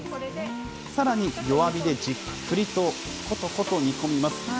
さらに弱火でじっくりとことこと煮込みます。